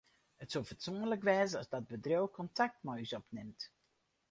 It soe fatsoenlik wêze as dat bedriuw kontakt mei ús opnimt.